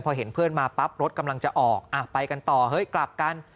พอเห็นเพื่อนมาปั๊บรถกำลังจะออกไปกันต่อเฮ้ยกลับกัน